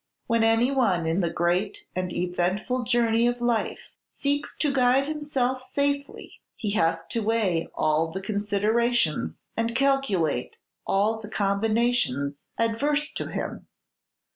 When any one in the great and eventful journey of life seeks to guide himself safely, he has to weigh all the considerations, and calculate all the combinations adverse to him.